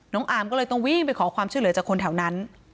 อามก็เลยต้องวิ่งไปขอความช่วยเหลือจากคนแถวนั้น